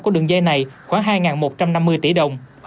của đường dây này khoảng hai một trăm năm mươi tỷ đồng